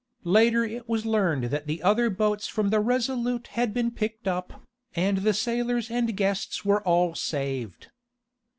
Later it was learned that the other boats from the RESOLUTE had been picked up, and the sailors and guests were all saved.